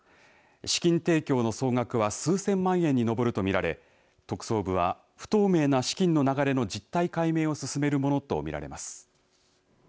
資金提供の総額は数千万円に上ると見られ特捜部は不透明な資金の流れの実態解明を進めるものと見られます。